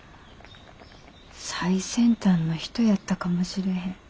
最先端の人やったかもしれへん。